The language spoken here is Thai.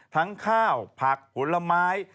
ทั้งข้าวผักผลไม้